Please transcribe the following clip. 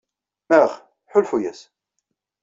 Ax, ḥulfu-as.